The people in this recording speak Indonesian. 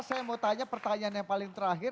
saya mau tanya pertanyaan yang paling terakhir